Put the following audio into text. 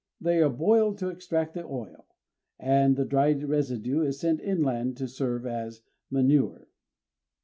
They are boiled to extract the oil; and the dried residue is sent inland to serve as manure.